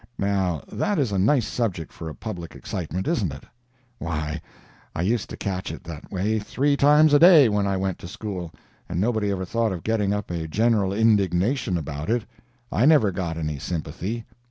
Now, that is a nice subject for a public excitement, isn't it? Why, I used to catch it that way three times a day when I went to school, and nobody ever thought of getting up a general indignation about it. I never got any sympathy.